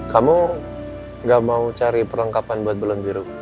kamu gak mau cari perlengkapan buat bulan biru